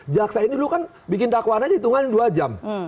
jaksa ini dulu kan bikin dakwahnya dihitungan dua jam